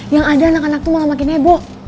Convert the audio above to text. yang ada anak anak tuh malah makin nebok